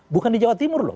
bukan di jawa timur loh